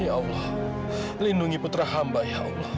ya allah lindungi putra hamba ya allah